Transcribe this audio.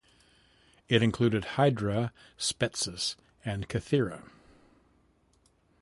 It included Hydra, Spetses and Kythira.